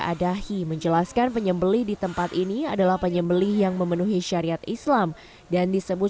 adahi menjelaskan penyembeli di tempat ini adalah penyembeli yang memenuhi syariat islam dan disebut